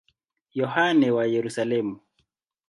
Yohane wa Yerusalemu.